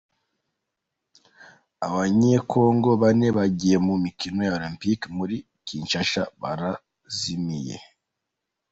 Abanyekongo Bane bagiye mu mikino ya Olempike Muri Kinshasa barazimiye